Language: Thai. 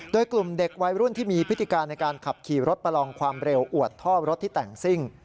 โดยกลุ่มเด็กวัยรุ่นที่มีพฤติการในการขับขี่รถประลองความเร็วอวดท่อรถที่แต่งซิ่ง